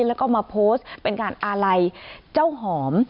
แล้วก็มาโพสต์เป็นการอาลัยเจ้าหอม